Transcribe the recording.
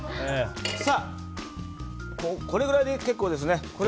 これぐらいで結構です。